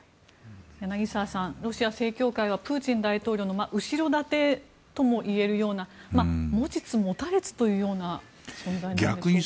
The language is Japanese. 柳澤さん、ロシア正教会はプーチン大統領の後ろ盾ともいえるような持ちつ持たれつというような存在なんですね。